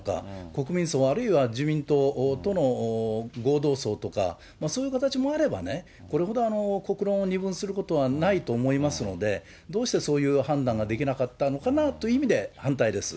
国民葬、あるいは自民党との合同葬とか、そういう形もあればね、これほど国論を二分することはないと思いますので、どうしてそういう判断ができなかったのかなという意味で反対です。